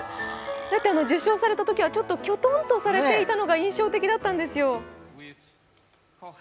受賞されたときは、ちょっときょとんとされていたのが印象的だったんですよ。